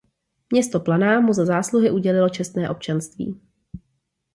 Město Planá mu za zásluhy udělilo čestné občanství.